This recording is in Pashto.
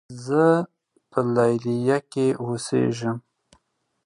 زۀ په لیلیه کې اوسېږم.